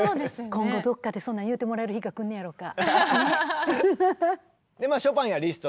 今後どっかでそんなん言うてもらえる日がくんねやろか。